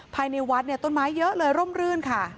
ภายในวัดเนี่ยต้นไม้เยอะเลยร่มรื่นค่ะ